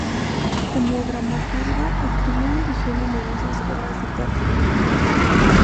Como dramaturga escribió y dirigió numerosas obras de teatro.